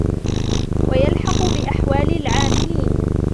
وَيَلْحَقُ بِأَحْوَالِ الْعَامِلِينَ